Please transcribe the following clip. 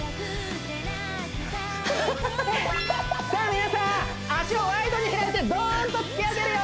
皆さん脚をワイドに開いてドーンと突き上げるよ！